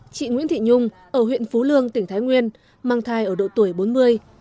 chị nguyễn thị nhung ở huyện phú lương tỉnh thái nguyên mang thai ở độ tuổi bốn mươi